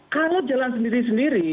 kalau jalan sendiri sendiri